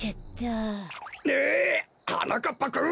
えっはなかっぱくん！？